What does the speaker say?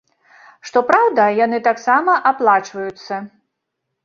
Што праўда, яны таксама аплачваюцца.